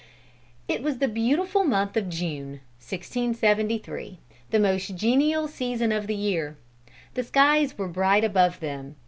It was the beautiful month of June, 1673, the most genial season of the year. The skies were bright above them.